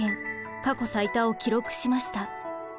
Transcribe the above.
過去最多を記録しました。